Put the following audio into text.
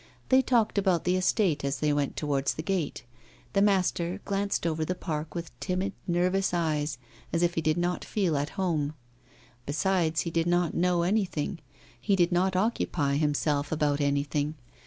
They talked about the estate as they went towards the gate. The master glanced over the park with timid, nervous eyes, as if he did not feel at home. Besides he did not know anything; he did not occupy himself about anything.